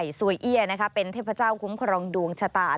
สวยเอี้ยนะคะเป็นเทพเจ้าคุ้มครองดวงชะตา